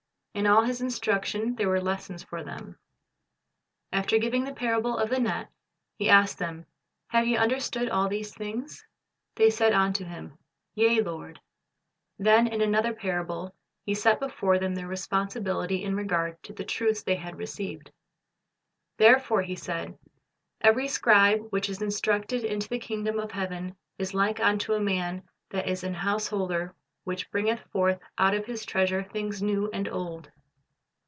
In all His instruction there were lessons for them. After giving the parable of the net, He asked them, "Have ye understood all these things?" They said unto Him, "Yea, Lord." Then in another parable He set before them their responsibility in regard to the truths they had received. "Therefore," He said, "every scribe which is instructed unto the kingdom of heaven is like unto a man that is an house holder, which bringeth forth out of his treasure things new and old."